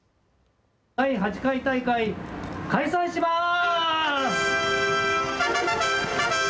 第８回大会、開催します！